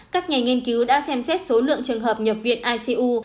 các nhà nghiên cứu đã xem xét số lượng trường hợp nhập viện icu